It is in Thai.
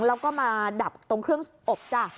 แล้วก็มาดับตรงเครื่องอบจ้ะ